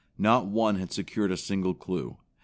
Not one had secured a single clue.